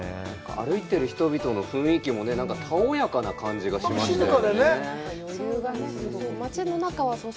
歩いてる人々の雰囲気もね、たおやかな感じがしましたよね。